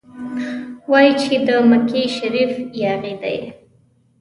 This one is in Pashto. وايي چې د مکې شریف یاغي دی.